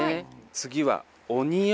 次は。